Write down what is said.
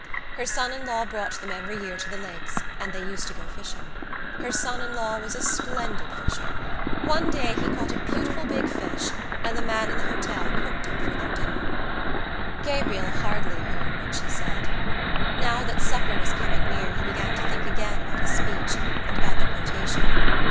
Her son in law brought them every year to the lakes and they used to go fishing. Her son in law was a splendid fisher. One day he caught a beautiful big fish and the man in the hotel cooked it for their dinner. Gabriel hardly heard what she said. Now that supper was coming near he began to think again about his speech and about the quotation.